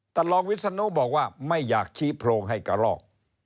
รองวิศนุบอกว่าไม่อยากชี้โพรงให้กระลอก